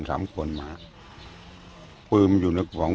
แต่๓คนเอามาขอให้ผมแจ้งสำรวจ